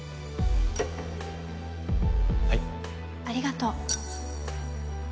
ありがとう。